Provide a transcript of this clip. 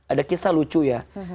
ada kisah lucu ya